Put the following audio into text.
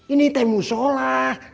ini temu sholah